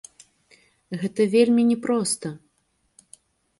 Гэта вельмі не проста.